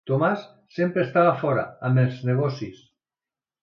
Tomàs sempre estava fora, amb els negocis.